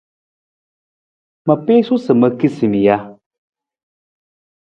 Ma piisu sa ma kiisa mi ja?